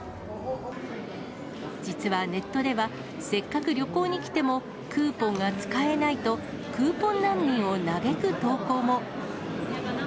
実はネットでは、せっかく旅行に来ても、クーポンが使えないと、クーポン難民を嘆く投稿も。